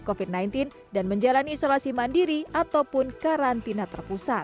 covid sembilan belas dan menjalani isolasi mandiri ataupun karantina terpusat